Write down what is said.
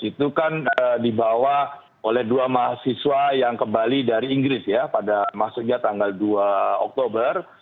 itu kan dibawa oleh dua mahasiswa yang kembali dari inggris ya pada masuknya tanggal dua oktober